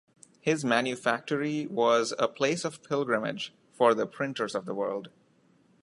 His manufactory was a place of pilgrimage for the printers of the world.